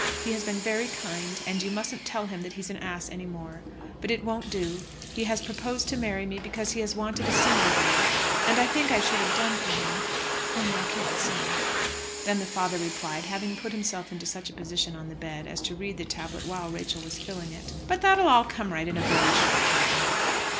He has been very kind, and you mustn't tell him that he's an ass any more. But it won't do. He has proposed to marry me because he has wanted a singing girl; and I think I should have done for him, only I can't sing." Then the father replied, having put himself into such a position on the bed as to read the tablet while Rachel was filling it: "But that'll all come right in a very short time."